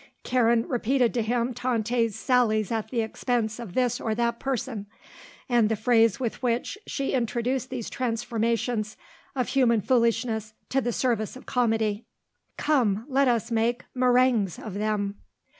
Karen repeated to him Tante's sallies at the expense of this or that person and the phrase with which she introduced these transformations of human foolishness to the service of comedy. "Come, let us make méringues of them."